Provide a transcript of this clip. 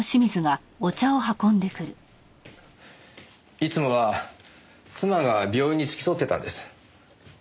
いつもは妻が病院に付き添ってたんです。